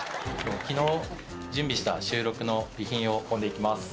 昨日準備した収録の備品を運んでいきます。